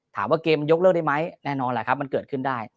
ถามว่าเกมยกเลิกได้ไหมแน่นอนแหละครับมันเกิดขึ้นได้